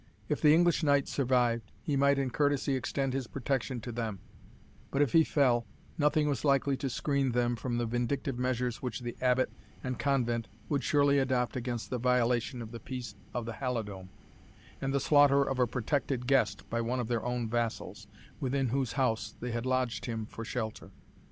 If the English knight survived, he might in courtesy extend his protection to them; but if he fell, nothing was likely to screen them from the vindictive measures which the Abbot and convent would surely adopt against the violation of the peace of the Halidome, and the slaughter of a protected guest by one of their own vassals, within whose house they had lodged him for shelter.